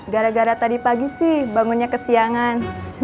gara gara tadi pagi sih bangunya ke siangan